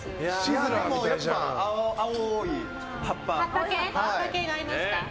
葉っぱ系合いますか？